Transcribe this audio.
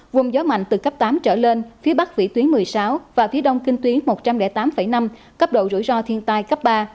vùng gió mạnh từ cấp tám trở lên phía bắc vĩ tuyến một mươi sáu và phía đông kinh tuyến một trăm linh tám năm cấp độ rủi ro thiên tai cấp ba